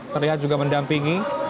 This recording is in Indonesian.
terlihat juga mendampingi